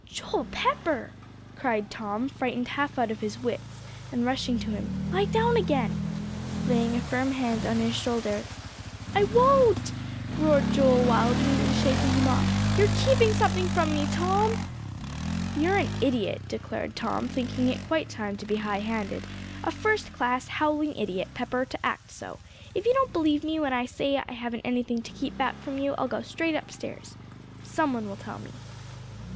"Joel Pepper!" cried Tom, frightened half out of his wits, and rushing to him; "lie down again," laying a firm hand on his shoulder. "I won't," roared Joel wildly, and shaking him off. "You're keeping something from me, Tom." "You're an idiot," declared Tom, thinking it quite time to be high handed, "a first class, howling idiot, Pepper, to act so. If you don't believe me, when I say I haven't anything to keep back from you, I'll go straight upstairs. Some one will tell me."